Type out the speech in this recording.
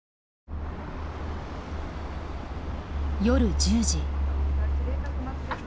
夜１０時。